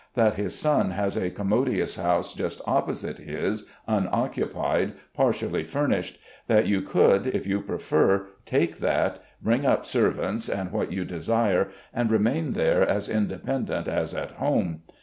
That his son has a commodious house just opposite his, tmoccupied, partially furnished; that you could, if you prefer, take that, bring up servants and what you desire, and remain there as independent as at home.